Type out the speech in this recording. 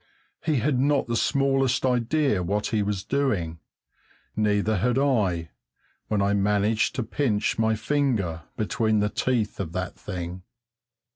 He had not the smallest idea what he was doing; neither had I when I managed to pinch my finger between the teeth of that thing.